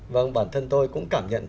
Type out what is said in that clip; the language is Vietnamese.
vâng bản thân tôi cũng cảm nhận